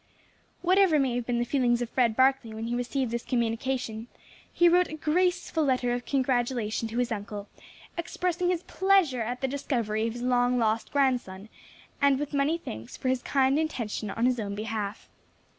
Whatever may have been the feelings of Fred Barkley when he received this communication, he wrote a graceful letter of congratulation to his uncle, expressing his pleasure at the discovery of his long lost grandson, and with many thanks for his kind intention on his own behalf.